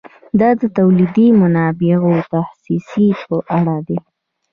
دا د تولیدي منابعو د تخصیص په اړه دی.